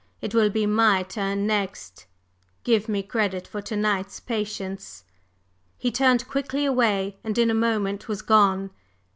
It will be my turn next! Give me credit for to night's patience!" He turned quickly away, and in a moment was gone.